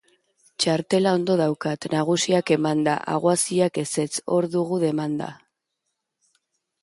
Txartela ondo daukat, nagusiak emanda, aguazilak ezetz, hor dugu demanda.